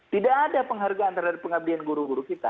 tidak ada penghargaan terhadap pengabdian guru guru kita